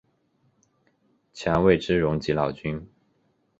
强为之容即老君。